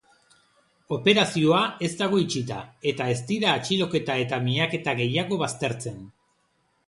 Operazioa ez dago itxita, eta ez dira atxiloketa eta miaketa gehiago baztertzen.